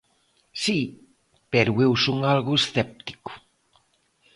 Si, pero eu son algo escéptico.